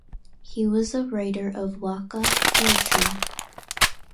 He was a writer of Waka poetry.